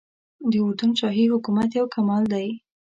د اردن شاهي حکومت یو کمال دی.